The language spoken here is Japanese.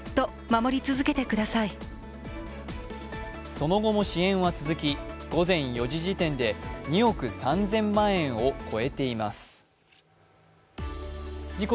その後も支援は続き、午前４時時点で２億３０００万円を超えています。